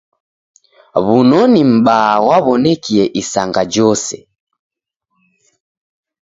W'unoni m'baa ghwaw'onekie isanga jose.